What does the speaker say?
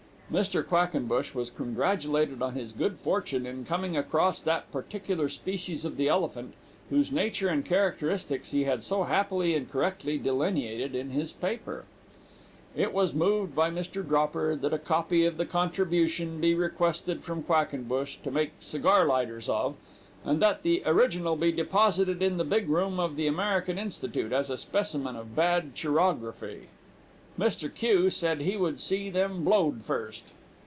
Mr. Quackenbush was congratulated on his good fortune in coming across that particular species of the elephant, whose nature and characteristics he had so happily and correctly delineated in his paper. It was moved by Mr. Dropper that a copy of the contribution be requested from Quackenbush, to make cigar lighters of, and that the original be deposited in the big room of the American Institute, as a specimen of bad chirography. Mr. Q. said he would see them blowed first.